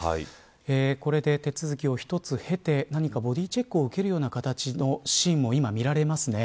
これで手続きを一つ経てボディチェックを受けるような形も今、見られますね。